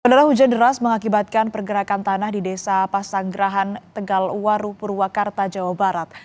penerah hujan deras mengakibatkan pergerakan tanah di desa pasanggerahan tegal waru purwakarta jawa barat